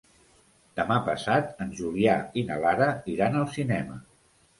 Demà passat en Julià i na Lara iran al cinema.